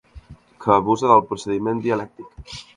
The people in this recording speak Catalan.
Que abusa del procediment dialèctic.